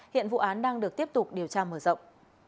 hiện vụ án đang được tiếp tục điều tra mở rộng